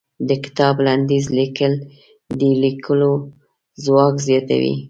د کتاب لنډيز ليکل د ليکلو ځواک زياتوي.